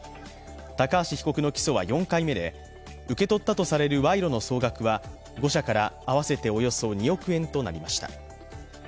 高橋被告の起訴は４回目で受け取ったとされる賄賂の総額は５社から合わせておよそ２億円となりました。